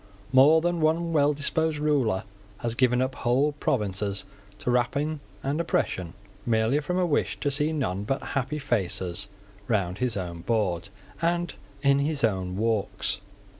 More than one well disposed ruler has given up whole provinces to rapine and oppression, merely from a wish to see none but happy faces round his own board and in his own walks.